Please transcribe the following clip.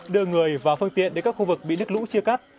đưa người và phương tiện đến các khu vực bị nước lũ chia cắt